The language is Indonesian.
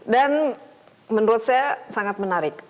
dan menurut saya sangat menarik